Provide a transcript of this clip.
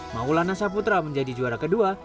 maulana saputra menjadi juara kedua